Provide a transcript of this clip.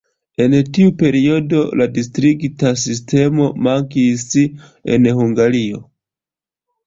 En tiu periodo la distrikta sistemo mankis en Hungario.